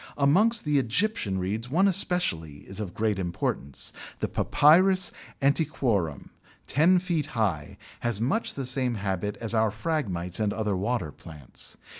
Amongst the Egyptian Reeds one especially is of great importance. The Papyrus antiquorum, ten feet high, has much the same habit as our Phragmites and other water plants.